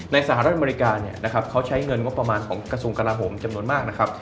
ในสหรัฐอเมริกาเขาใช้เงินงบประมาณของกระทรวงการราโหมจำนวนมาก